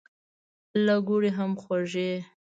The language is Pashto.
له ګوړې هم خوږې.